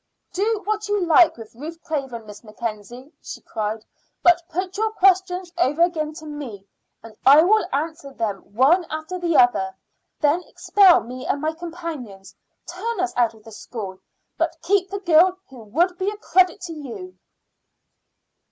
"Do what you like with Ruth Craven, Miss Mackenzie," she cried; "but put your questions over again to me, and I will answer them one after the other. Then expel me and my companions; turn us out of the school, but keep the girl who would be a credit to you."